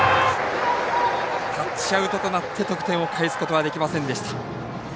タッチアウトとなって得点を返すことはできませんでした。